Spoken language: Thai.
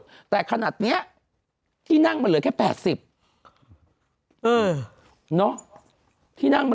กว่ายังไม่โดดแต่ขนาดเนี้ยที่นั่งเหลือแค่๘๐เนาะที่นั่งมัน